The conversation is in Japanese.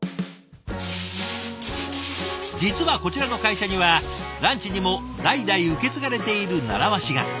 実はこちらの会社にはランチにも代々受け継がれている習わしが。